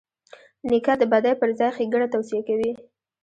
نیکه د بدۍ پر ځای ښېګڼه توصیه کوي.